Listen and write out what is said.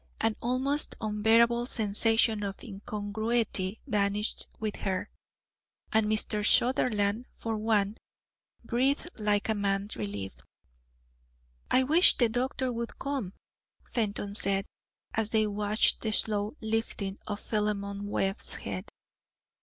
An almost unbearable sensation of incongruity vanished with her, and Mr. Sutherland, for one, breathed like a man relieved. "I wish the doctor would come," Fenton said, as they watched the slow lifting of Philemon Webb's head.